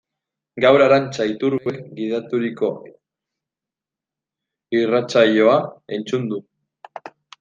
Gaur Arantxa Iturbek gidaturiko irratsaioa entzun dut.